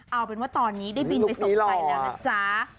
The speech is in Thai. เอาเป็นว่าตอนนี้ได้บินไปส่งไปแล้วนะจ๊ะ